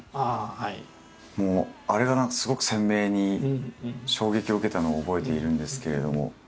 もうあれが何かすごく鮮明に衝撃を受けたのを覚えているんですけれども。